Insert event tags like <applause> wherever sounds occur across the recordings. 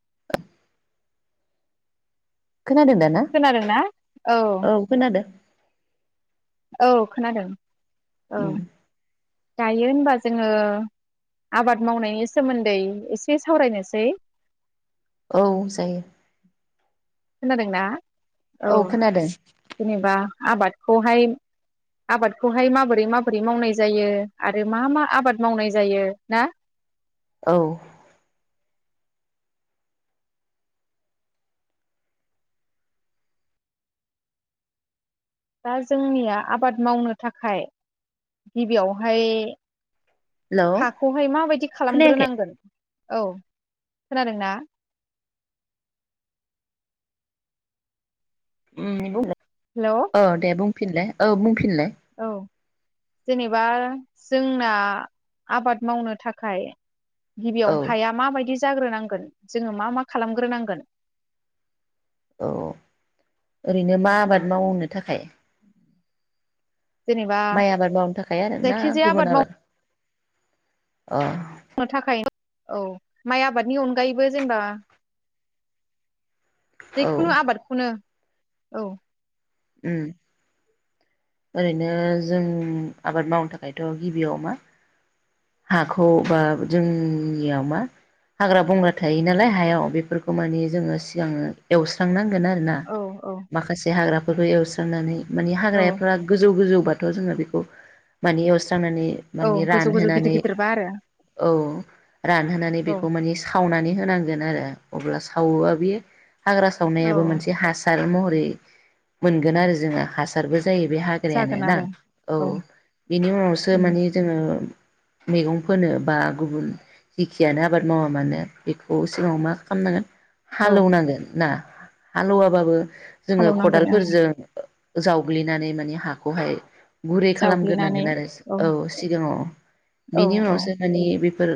<unintelligible> खोनादों दा ना खोनादोंना औ खोनादों औ खोनादों औ उ दायो होनबा जोङो आबाद मावनायनि सोमोन्दै एसे सावरायनोसै औ जायो। खोनादोंना औ जेनेबा आबादखौहाय आबादखौहाय माबोरै माबोरै मावनाय जायो आरो मा मा आबाद मावनाय जायो ना औ दा जोंनिया आबाद मावनो थाखाय गिबियावहाय हेल' हाखौहाय माबायदि खोनायाखै? खालामग्रोनांगोन औ खोनादों ना उ हेल' अ दे बुं फिनलाय औ जेनेबा जोंना आबाद मावनो थाखाय औ गिबियाव हाया माबायदि जाग्रोनांगोन जोङो मा मा खालामग्रोनांगोन औ ओरैनो मा उम आबाद मावनो थाखाय जेनेबा माइ आबाद मावनो थाखाय आरोना जायखिजाया गुबुन मावनो आबाद। अ <unintelligible> थाखाय औ माइ आबादनि अनगायैबो जेनेबा औ जिखुनु आबादखौनो औ। उम ओरैनो जों आबाद मावनो थाखायथ' गिबियाव मा हाखौ बा जोंनियाव मा हाग्रा बंग्रा थायो नालाय हायाव बेफोरखौ मानि जोङो सिगाङो एवस्रांनां। गोन आरोना औ औ माखासे हाग्रा फोरखौ एवस्रांनानै। माने औ हाग्राफ्रा गोजौ गोजौ। बाथ' जोङो बेखौ मानि रानानै औ मानि गोजौ गोजौ गिदिर रानहोनानै गिदिरबा आरो औ रानहोनानै औ बेखौ मानि सावनानै होनां गोन आरो अब्ला सावोबा बेयो हाग्रा औ सावनायाबो मोनसे हासार। महरै मोनगोन आरो जोङो हासारबो जायो बे हाग्रायानो जागोन ना आरो औ बेनि उनावसो उम माने जोङो मैगं फोनो बा गुबुन जिखियानो आबाद मावा मानो बेखौ सिगाङाव मा खालामनांगोन औ हालोवनांगोन ना। हालेवाबाबो। जोङो खदाल। हालेवनांगोन ओं फोरजों जावग्लिनानै माने हाखौहाय गुरै खालामग्रोनांगोन आरो औ सिगाङाव औ बिनि औ उनावसो मानि बेफोर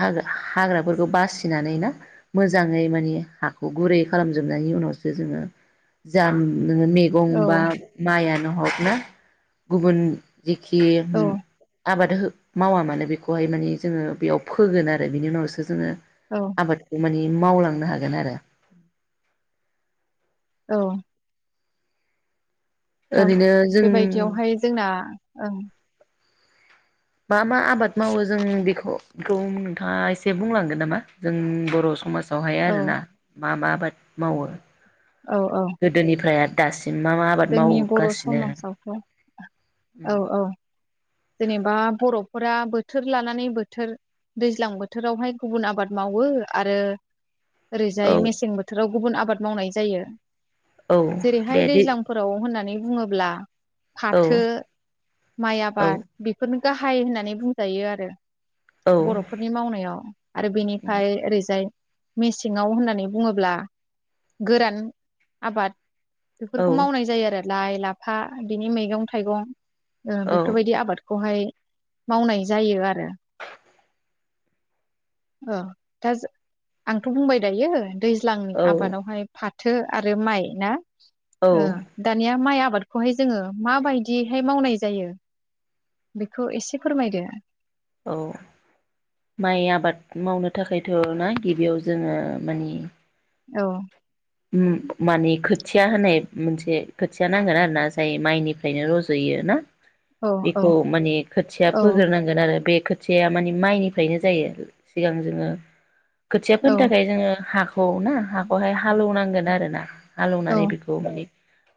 हाग हाग्राफोरखौ बासिनानै ना मोजाङै मानि हाखौ गुरै खालामजोबनायनि उनावसो जोङो जाम नोङो मैगं बा माइआ नो हरनो गुबुन जिखि औ आबाद हो मावा मानो बेखौहाय मानि जोङो बेयाव फोगोन आरो बिनि उनावसो जोङो औ आबादखौ मानि मावलांनो हागोन आरो औ। थां ओरैनो जों बेबायदियावहाय जोंना ओं मा मा आबाद मावोजों बेखौखौ नोंथाङा एसे बुंलांगोन नामा जों बर' समाज वहाया औ आरोना मा मा आबाद मावो? औ औ गोदोनिफ्राय आरो दास जोंनि बर' समाजावथ' औ औ जेनेबा बर'फोरा बोथोर लानानै बोथोर दैज्लां बोथोरावहाय गुबुन आबाद मावो आरो औ ओरैजाय मेसें बोथोराव गुबुन आबाद मावनाय जायो। औ जेरैहाय दे दे दैज्लांफोराव होननानै बुङोब्ला औ फाथो माइ औ आबाद बेफोरनो गाहाय होननानै बुंजायो आरो। औ बर'फोरनि मावनायाव आरो बेनिफ्राय ओरैजाय मेसेङाव होननानै बुङोब्ला गोरान आबाद बेफोरखौ मावनाय जायो आरो। लाइ लाफा बिनि मैगं थाइगं औ बेफोरबायदि आबाद बेखौहाय मावनाय जायो आरो औ दा आंथ' बुंबाय दायो। दैज्लांनि आबादावहाय फाथो फाथो आरो माइ ना औ ओ दानिया माइ आब आबादखौहाय जोङो माबायदिहाय मावनाय जायो। बेखौ एसे फोरमायदो औ माइ आबाद मावनो थाखायथ' ना गिबियाव जोङो मानि औ मानि खोथिया होननाय मोनसे खोथिया नांगोन आरो ना जाय माइनिफ्रायनो रज'यो ना औ औ बेखौ माने खोथिया औ फोग्रोनांगोन आरो बे खोथिया माने माइनिफ्रायनो जायो सिगां जोङो औ खोथियाफोरनि थाखाय जोङो हाखौ खौ ना हाखौहाय एउनांगोन आरोना औ हालौवनानै बेखौ माने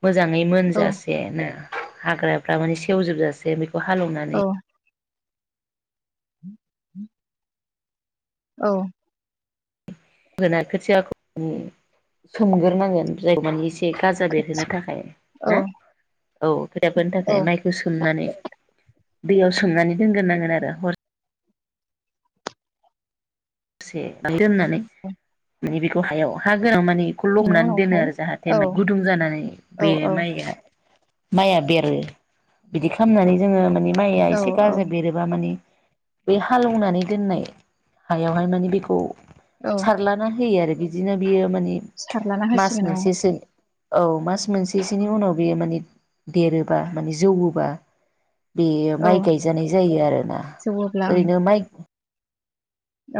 मोजाङै मोनजासेनो हाग्राफ्रा माने सेवजोबजासे बेख बेखौ हालेवनानै उ औ होना खोथियाखौ सोमगोरनांगोन जाय मानि एसे एसे गाजा बेरहोनो थाखाय ना औ औ <unintelligible> फोनो औ थाखाय माइखौ सोमनानै दैयाव सोमनानै दोनग्रोनांगोन आरो हर से दोननानै माने बिखौ द हायाव हा गोनां माने बेखौ बिनि लबनानै दोनो उनावहाय आरो जाहाथे औ मा गुदुं जानानै औ बे औ माइआ माइया बेरो बिदि खामनानै जोङो माइया औ एसे औ गाजा बेरोबा माने बे हालौनानै दोननाय हाय बेवहाय माने बेखौ औ सारला ना होयो आरो बिदिनो बियो मान सारलाना मास होसिगोन औ मोनसेसो औ मास मोनसेसोनि उनाव बेयो माने देरोबा माने जौवोबा बेयो औ माइ गायजानाय जायो आरोना ओरैनो माइ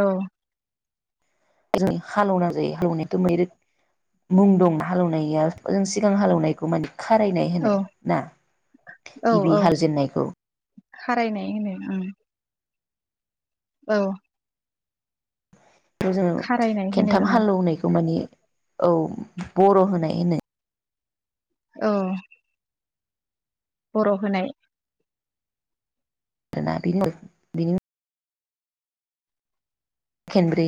औ जों हालौना जायो हालौनायाथ मैरै मुं दं हालौनाया जों सिगां हालौनायखौ माने खारायनाय औ होनो औ ना औ गिबि औ हालजेेननायखौ खारायनाय होनो उम औ थ जोङो खारायनाय होनो खेन्थाम ओं हालौवनायखौ माने औ बर' होनाय होनो। औ बर' होनाय <unintelligible> खेनब्रै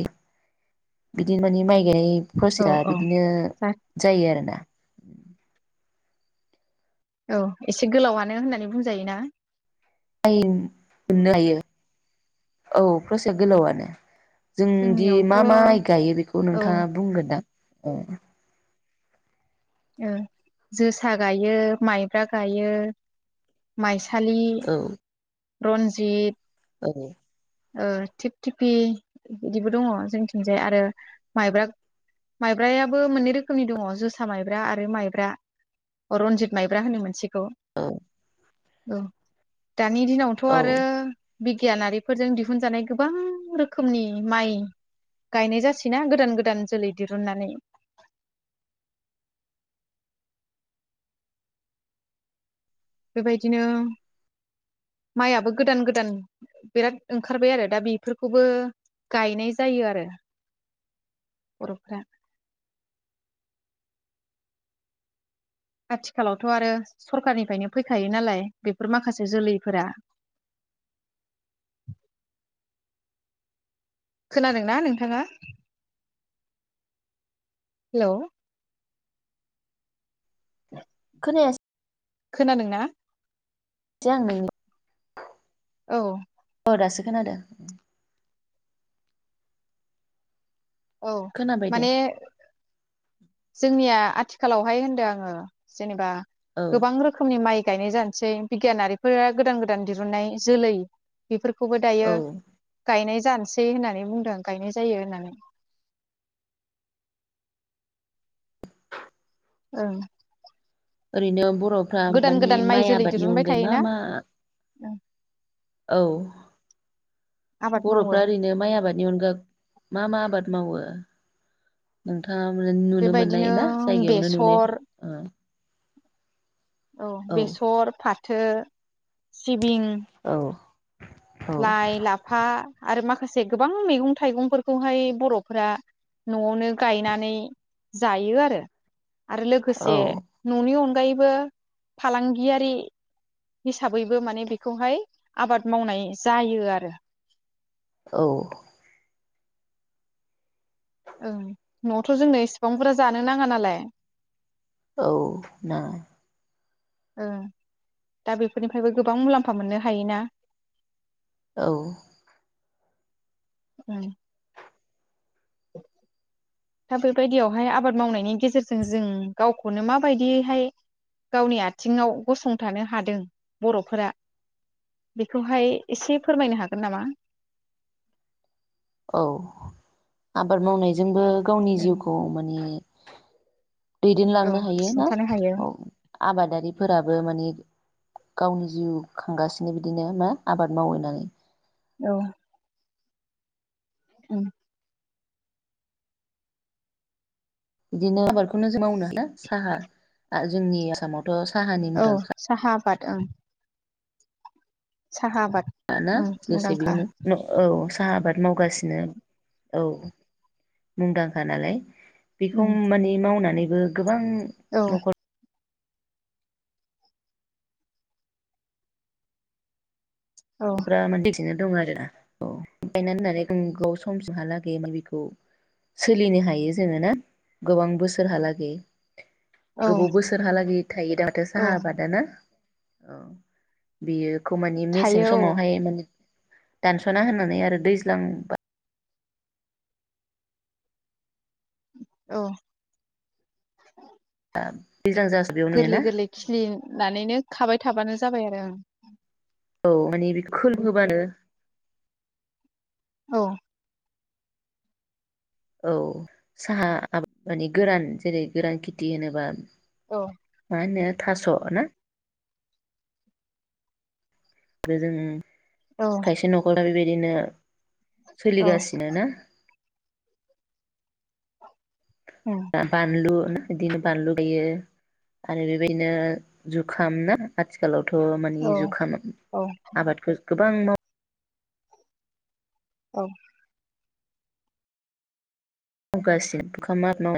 बिदिनो माने माइ गायनाय औ फसिया औ बिदिनो जा जायो आरोना उ औ एसे गोलावानो होननानै बुंजायो ना। यो मोननो हायो औ प्रसाया गोलावानो जोंदि जोंनियावथ' मा औ मा आइ गायो बेखौ ओ नोंथाङा बुंगोनदां अ। ओ जोसा गायो, माइब्रा गायो माइ <unintelligible> रन्जित ओ। ओ थिप थिफि बिदिबो दङ जोंनि थिंजाय आरो माइब्रा -माइब्रायाबो मोननै रोखोमनि दङ जोसा माइब्रा आरो माइब्रा रनजित माइब्रा होनो मोनसेखौ औ। औ <unintelligible> दानि दिनावथ' औ आरो बिगियानारिफोरजों दिहुनजानाय गोबां रोखोमनि माइ गायनाय जासैना गोदान- गोदान जोलै दिरुननानै बेबायदिनो माइयाबो गोदान -गोदान बिराद ओंखारबाय आरो दा बेफोरखौबो गायनाय जायो आरो बर'फोरा आथिखालावथ' आरो सरखारनिफ्रायनो फैखायो नालाय बेफोर माखासे जोलैफोरा खोनादोंना नोंथाङा? हेल' खोनायासै खोनादोंना? <unintelligible> औ। अ दासो खोनादों। औ खोनाबाय दे माने जोंनिया आथिखालावहाय होनदों आङो जेनेबा औ गोबां रोखोमनि माइ गायनाय जानोसै बिगियानारिफोरा गोदान -गोदान दिरुननाय जोलै बेफोरखौबो दायो औ गायनाय जानोसै होननानै बुंदों गायनाय जायो होननानै औ। ओरैनो बर'फ्रा बर'फ्रा मानि माइ आबादनि अनगायै मा मा औ। औ। आबाद मावो बर'फ्रा ओरैनो माइ आबादनि अनगा मा -मा आबाद मावो? नोंथां <unintelligible> नुनो मोननाय बेबायदिनो ना जायगायावनो नुनाय बेसर औ बेसर, फाथो <unintelligible> <unintelligible> औ लाइ, लाफा आरो माखा माखासे गोबां मैगं- थाइगंफोरखौहाय बर'फोरा न'आवनो गायनानै जायो आरो। आरो लोगोसे औ न'नि <unintelligible> <unintelligible> गायैबो फालांगियारि हिसाबैबो माने बेखौहाय आबाद मावनाय जायो आरो औ ओं न'आवथ' जोंनो इसेबां बुरजा जानो नाङा नालाय औ ना ओ दा बेफोरनिफ्रायबो गोबां मुलाम्फा मोननो हायोना औ उम दा बेबायदियावहाय आबाद मावनायनि गेजेरजों जों गावखौनो माबायदियैहाय गावनि आथिङाव गसंथानो हादों बर'फोरा बेखौहाय एसे फोरमायनो हागोन नामा? औ आबाद मावनायजोंबो गावनि जिउखौ माने औ दैदेनलांनो हायो ना सुंथानो हायो औ आबादारिफोराबो माने गावनि जिउ खांगासिनो बिदिनो मा आबाद मावैनानै औ उम बिदिनो आबादखौनो जों मावो नालाय साहा जोंनि आसामाव औ साहा आबथ ओं साहा आबाद ओं मुंदांखा <unintelligible> औ साहा आबाद मावगासिनो औ मुंदांखा नालाय बेखौ उम माने मावनानै बो गोब गोबां औ न'खर औ फ्रा माने <unintelligible> <unintelligible> नो दं आरोना औ गायनानै होननानै <unintelligible> समसिमहालागै <unintelligible> बेखौ सोलिनो हायो जोङो ना गोबां बोसोरहालागै औ गोबाव बोसोरहालागै थायो दा माथो औ साहा आबादा ना औ बेयो खौ माने थायो मेसेंस <unintelligible> औ माने दानस'ना होननानै आरो दैज्लांबा औ <unintelligible> जासाबदियावनो गोरलै ना गोरलै खिलिनानैनो खाबाय थाबानो जाबाय आरो ओं औ माने बे <unintelligible> खोलोमहोबानो औ औ साहा आबाद माने गोरान जेरै गोरान खेथि होनोबा औ मा होनो थास' ना <unintelligible> औ खायसे नकरा बे बाय बिदिनो औ सोलिगासिनो ना उम <unintelligible> बानलु बिदिनो बानलु गायो आरो बेबायदिनो जुखाम ना आथिखालाव थ' माने औ जुखाम औ आबादखौ गोबां माव औ गासिनो <unintelligible>